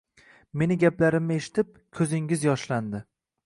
Meni gaplarimni eshitib, ko`zingiz yoshlandi